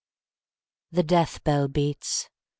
The death bell beats!